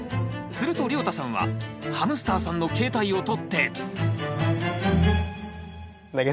するとりょうたさんはハムスターさんの携帯を取って。